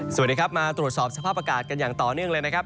สวัสดีครับมาตรวจสอบสภาพอากาศกันอย่างต่อเนื่องเลยนะครับ